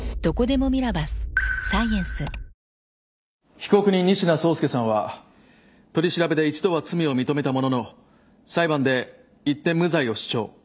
被告人仁科壮介さんは取り調べで一度は罪を認めたものの裁判で一転無罪を主張。